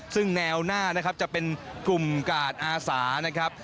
ซึ่งแนวหน้านะครับจะเป็นกลุ่มกาดอาสานะครับ